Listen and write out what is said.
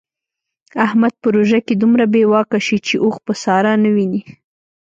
احمد په روژه کې دومره بې واکه شي چې اوښ په ساره نه ویني.